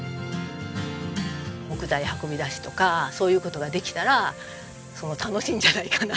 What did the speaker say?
木材運び出しとかそういう事ができたら楽しいんじゃないかな。